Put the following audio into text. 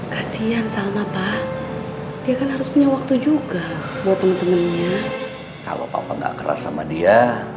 kasian sama pak dia kan harus punya waktu juga buat temen temennya kalau papa nggak keras sama dia